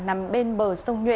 nằm bên bờ sông nhuệ